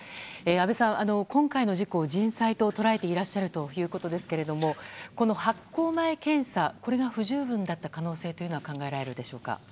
安倍さん、今回の事故を人災と捉えていらっしゃるということですけれども発航前検査、これが不十分だった可能性というのは考えられるでしょうか。